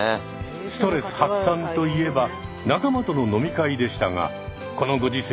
ストレス発散といえば仲間との飲み会でしたがこのご時世